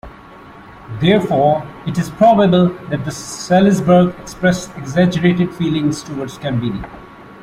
Therefore, it is probable that the Salisburg expressed exaggerated feelings toward Cambini.